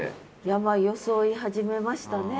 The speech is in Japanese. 山粧い始めましたね。